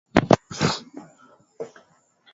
Leo tuko nakutana na ba mama bote nju tubape viwanja